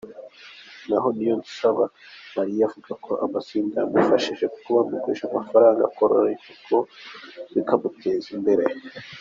Naho Niyonsaba Mariya, avuga ko amatsinda yamufashije kuko bamugurije amafaranga yorora inkoko bikamuteza imbere.